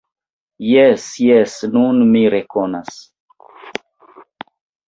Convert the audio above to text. Jes, jes, nun mi rekonas.